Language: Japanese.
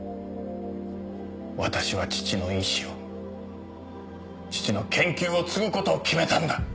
私は父の遺志を父の研究を継ぐことを決めたんだ。